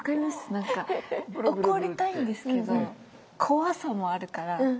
何か怒りたいんですけど怖さもあるから。